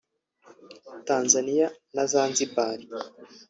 Tanzania na Zanzibar